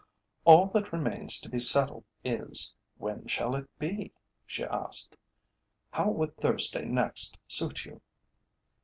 "All that remains to be settled is, when shall it be?" she asked. "How would Thursday next suit you?"